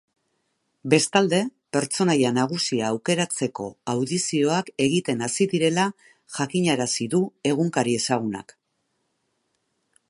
Bestalde, pertsonaia nagusia aukeratzeko audizioak egiten hasi direla jakinarazi du egunkari ezagunak.